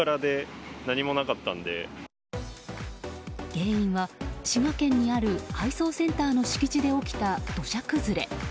原因は滋賀県にある配送センターの敷地で起きた土砂崩れ。